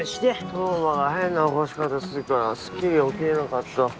刀磨が変な起こし方するからスッキリ起きれなかった。